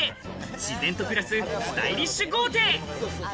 自然と暮らすスタイリッシュ豪邸。